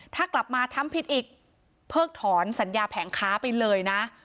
ถ้ากลับมาทำผิดอีกเพิกถอนสัญญาแผงค้าไปเลยนะ